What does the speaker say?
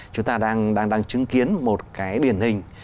chúng ta đang chứng kiến một cái điển hình